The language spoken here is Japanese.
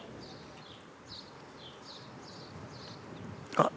あっ！